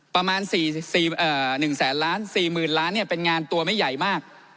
ประมาณ๑แสนล้าน๔๐๐๐ล้านเป็นงานตัวไม่ใหญ่มาก